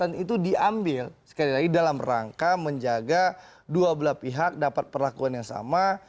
itu diambil sekali lagi dalam rangka menjaga dua belah pihak dapat perlakuan yang sama